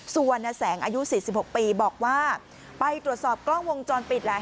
ส่วนอ่ะแสงอายุสี่สิบหกปีบอกว่าไปตรวจสอบกล้องวงจรปิดแหละ